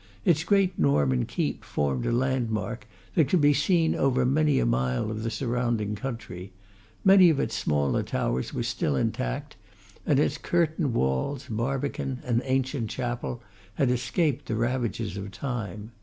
Its great Norman keep formed a landmark that could be seen over many a mile of the surrounding country; many of its smaller towers were still intact, and its curtain walls, barbican and ancient chapel had escaped the ravages of time.